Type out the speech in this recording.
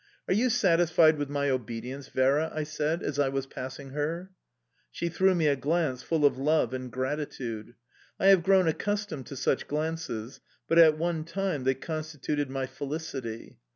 "Are you satisfied with my obedience, Vera?" I said as I was passing her. She threw me a glance full of love and gratitude. I have grown accustomed to such glances; but at one time they constituted my felicity.